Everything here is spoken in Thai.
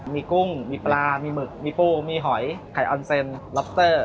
มีกุ้งมีปลามีหมึกมีปูมีหอยไข่ออนเซ็นล็อปเตอร์